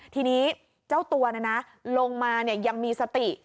ทีนี้เจ้าตัวลงมายังมีสติ